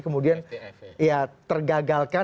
kemudian ya tergagalkan